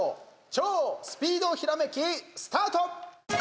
超スピードひらめき、スタート。